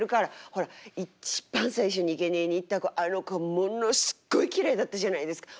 ほら一番最初にいけにえに行った子あの子はものすごいきれいだったじゃないですか。